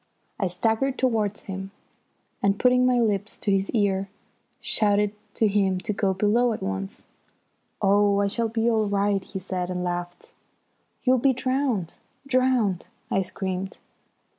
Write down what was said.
I staggered towards him, and, putting my lips to his ear, shouted to him to go below at once. "Oh, I shall be all right!" he said, and laughed. "You'll be drowned drowned," I screamed.